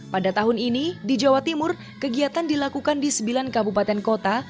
pada tahun ini di jawa timur kegiatan dilakukan di sembilan kabupaten kota